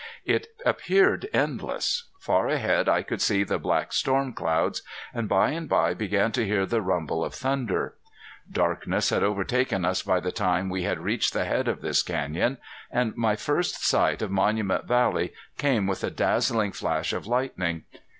It appeared endless. Far ahead I could see the black storm clouds; and by and bye began to hear the rumble of thunder. Darkness had overtaken us by the time we had reached the head of this canyon; and my first sight of Monument Valley came with a dazzling flash of lightning.